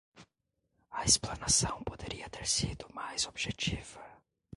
A explanação poderia ter sido mais objetiva